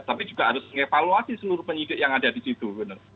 tapi juga harus mengevaluasi seluruh penyidik yang ada di situ